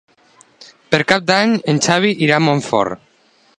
Per Cap d'Any en Xavi irà a Montfort.